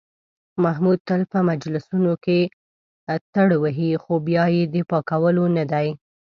محمود تل په مجلسونو کې ټروهي، خو بیا یې د پاکولو نه دي.